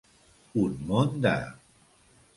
Un món de.